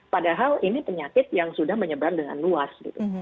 padahal ini penyakit yang sudah menyebar dengan luas gitu